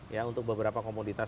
ya untuk beberapa komoditas